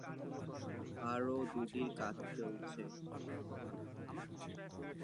আরও দুটির কাজ চলছে।